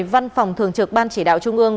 văn phòng thường trực ban chỉ đạo trung ương